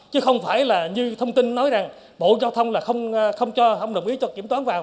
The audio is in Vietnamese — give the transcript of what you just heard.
chứ không phải là như thông tin nói rằng bộ giao thông là không đồng ý cho kiểm toán vào